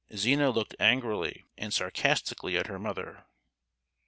Zina looked angrily and sarcastically at her mother.